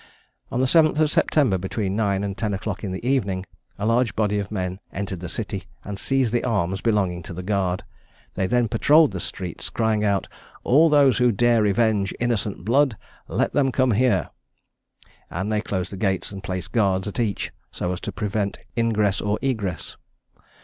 On the 7th of September, between nine and ten o'clock in the evening, a large body of men entered the city, and seized the arms belonging to the guard; they then patrolled the streets, crying out, "All those who dare revenge innocent blood, let them come here;" and they closed the gates, and placed guards at each, so as to prevent ingress or egress.